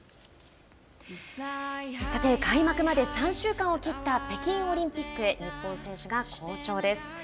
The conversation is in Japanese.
さて開幕まで３週間を切った北京オリンピックへ日本選手が好調です。